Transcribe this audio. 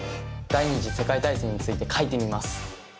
第２次世界大戦について書いてみます。